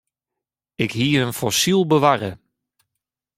Ik hie in fossyl bewarre.